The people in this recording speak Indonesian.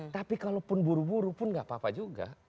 tapi kalau pun buru buru pun enggak apa apa juga